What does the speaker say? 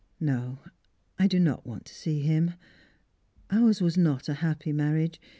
" No, I do not want to see him. Ours was not a happy marriage.